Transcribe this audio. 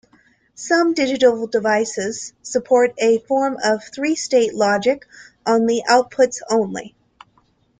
Some digital devices support a form of three-state logic on their outputs only.